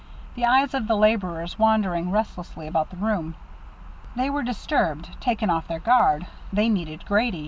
The eyes of the laborers wandered restlessly about the room. They were disturbed, taken off their guard; they needed Grady.